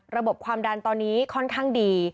ความดันตอนนี้ค่อนข้างดี